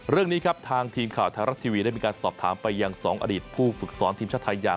เรื่องนี้ครับทางทีมข่าวไทยรัฐทีวีได้มีการสอบถามไปยัง๒อดีตผู้ฝึกสอนทีมชาติไทยอย่าง